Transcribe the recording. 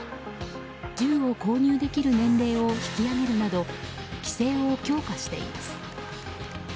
銃を購入できる年齢を引き上げるなど規制を強化しています。